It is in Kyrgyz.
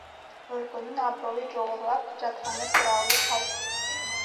Өлкөнүн аброю жогорулап жатканы тууралуу калп.